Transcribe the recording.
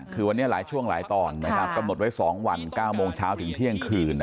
คือวันนี้หลายช่วงหลายตอนกำหนดไว้๒วัน๙โมงเช้าถึงเที่ยงคืน